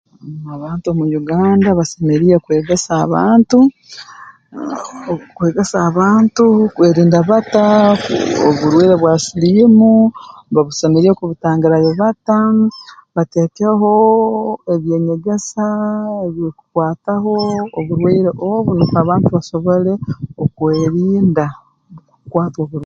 Abantu omu Uganda basemeriire kwegesa abantu aa okwegesa abantu kwerinda bata oburware bwa siliimu babusemeriire kubatangirayo bata bateekehoo eby'enyegesaa ebirukukwatahoo oburwaire obu nukwo abantu basobole okwerinda kukwatwa obu